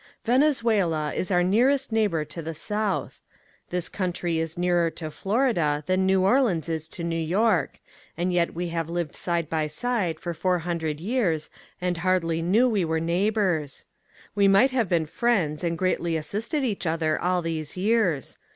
Venezuela is our nearest neighbor to the south. This country is nearer to Florida than New Orleans is to New York and yet we have lived side by side for four hundred years and hardly knew we were neighbors. We might have been friends and greatly assisted each other all these years.